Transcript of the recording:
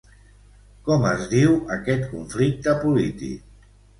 Com es diu aquest conflicte polític?